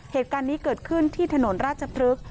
เหตุการณ์นี้เกิดขึ้นที่ถนนราชพฤกษ์